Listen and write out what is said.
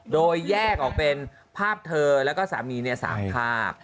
โดยแยกออกเป็นภาพเธอแล้วก็สามี๓ภาพ